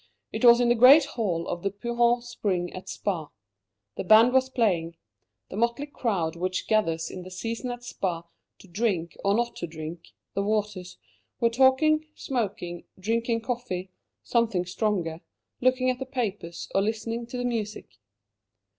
It was in the great hall of the Pouhon spring at Spa. The band was playing. The motley crowd which gathers in the season at Spa to drink, or not to drink, the waters, were talking, smoking, drinking coffee, something stronger, looking at the papers, or listening to the music.